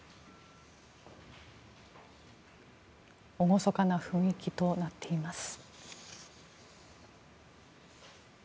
厳かな雰囲気となっています。